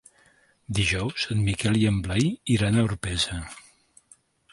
Dijous en Miquel i en Blai iran a Orpesa.